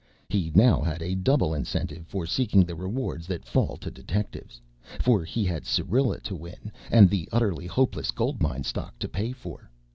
He now had a double incentive for seeking the rewards that fall to detectives, for he had Syrilla to win and the Utterly Hopeless Gold Mine stock to pay for.